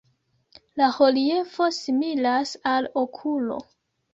La reliefo similas al okulo.